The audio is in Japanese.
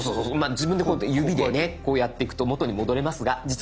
自分でこうやって指でねこうやっていくと元に戻れますが実は。